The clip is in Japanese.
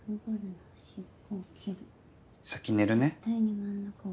先寝るね。